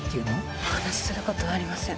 お話しする事はありません。